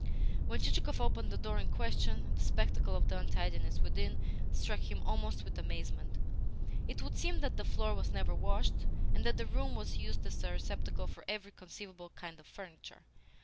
When Chichikov opened the door in question, the spectacle of the untidiness within struck him almost with amazement. It would seem that the floor was never washed, and that the room was used as a receptacle for every conceivable kind of furniture.